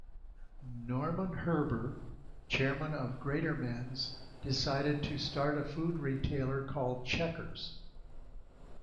Norman Herber, chairman of Greatermans decided to start a food retailer called Checkers.